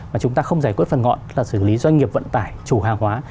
và chúng ta không giải quyết phần ngọn là xử lý doanh nghiệp vận tải chủ hàng hóa